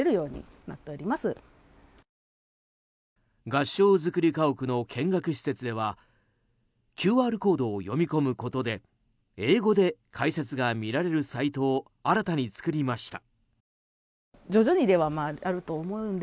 合掌造り家屋の見学施設ではＱＲコードを読み込むことで英語で解説が見られるサイトを新たに作りました。